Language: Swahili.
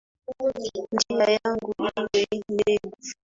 Njia yangu iwe ndefu.